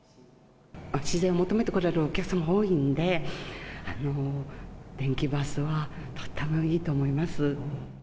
自然を求めて来られるお客様が多いんで、電気バスは、とてもいいと思います。